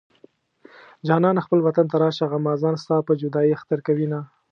جانانه خپل وطن ته راشه غمازان ستا په جدايۍ اختر کوينه